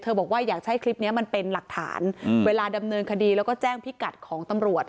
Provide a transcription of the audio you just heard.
บอกว่าอยากจะให้คลิปนี้มันเป็นหลักฐานเวลาดำเนินคดีแล้วก็แจ้งพิกัดของตำรวจ